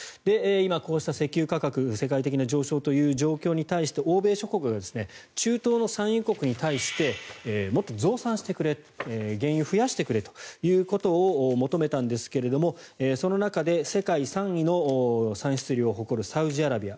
今、こうした石油価格世界的な高騰という状況に対して欧米諸国が中東の産油国に対してもっと増産してくれ原油を増やしてくれと求めたんですがその中で世界３位の産出量を誇るサウジアラビア